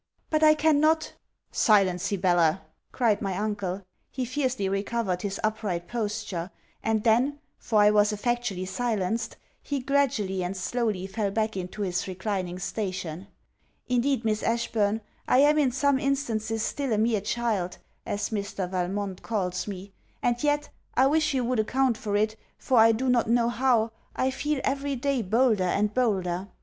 'But I cannot .' 'Silence, Sibella!' cried my uncle. He fiercely recovered his upright posture; and then, for I was effectually silenced, he gradually and slowly fell back into his reclining station. Indeed, Miss Ashburn, I am in some instances still a mere child, as Mr. Valmont calls me; and yet, I wish you would account for it, for I do not know how, I feel every day bolder and bolder.